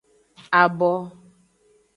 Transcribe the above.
Abo.